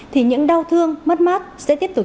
thì những đau thương mất mát sẽ tiếp tục